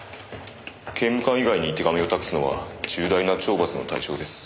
刑務官以外に手紙を託すのは重大な懲罰の対象です。